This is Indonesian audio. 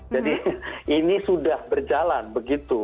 ini sudah berjalan begitu